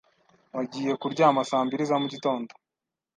Wagiye kuryama saa mbiri za mugitondo?